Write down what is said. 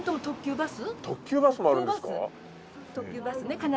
特急バスね。